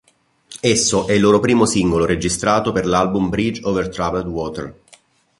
Esso è il loro primo singolo registrato per l'album "Bridge over Troubled Water".